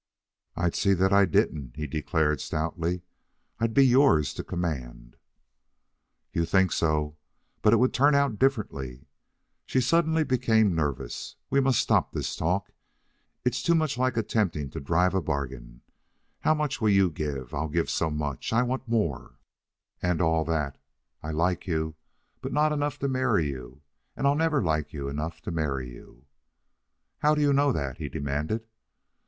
"I'd see that I didn't," he declared stoutly. "I'd be yours to command." "You think so, but it would turn out differently." She suddenly became nervous. "We must stop this talk. It is too much like attempting to drive a bargain. 'How much will you give?' 'I'll give so much.' 'I want more,' and all that. I like you, but not enough to marry you, and I'll never like you enough to marry you." "How do you know that?" he demanded.